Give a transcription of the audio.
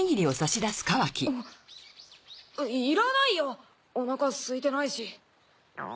いらないよおなか空いてないし。